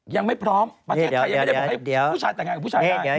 ยังไม่พร้อมประเทศไทยยังไม่ได้บอกให้ผู้ชายแต่งงานกับผู้ชายบ้าง